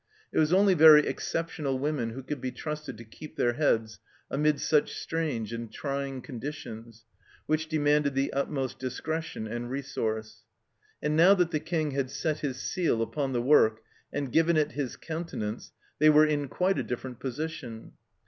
It was only very exceptional women who could be trusted to keep their heads amid such strange and trying conditions, which de manded the utmost discretion and resource. And now that the King had set his seal upon the work and given it his countenance they were in quite a different position.